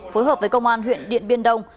phối hợp với công an huyện điện biên đông